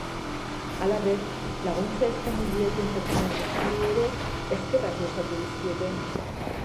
Halaber, laguntza eskaini dieten pertsona guztiei ere eskerrak luzatu dizkiete.